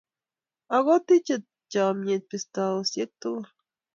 Ago tuchei chamyet pistaosyek tugul